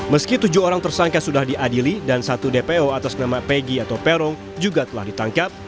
meski tujuh orang tersangka sudah diadili dan satu dpo atas nama pegi atau peron juga telah ditangkap